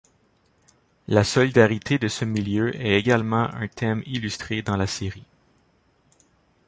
La solidarité de ce milieu est également un thème illustré dans la série.